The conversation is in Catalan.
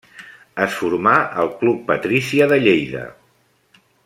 Es formà al Club Patrícia de Lleida.